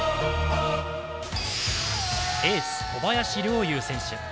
エース・小林陵侑選手。